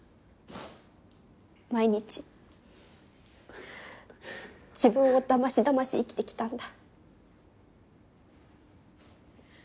毎日自分をだましだまし生きてきたんだ。